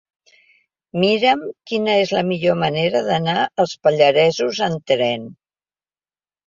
Mira'm quina és la millor manera d'anar als Pallaresos amb tren.